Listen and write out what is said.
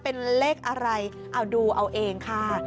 เป็นเลขอะไรเอาดูเอาเองค่ะ